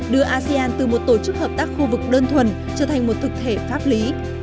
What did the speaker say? đưa asean từ một tổ chức hợp tác khu vực đơn thuần trở thành một thực thể pháp lý